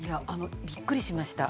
びっくりしました。